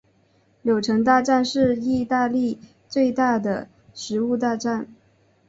柳橙大战是义大利最大的食物大战。